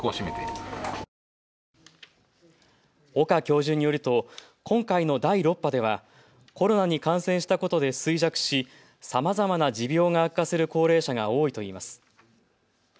岡教授によると今回の第６波ではコロナに感染したことで衰弱しさまざまな持病が悪化する高齢者が多いといいます。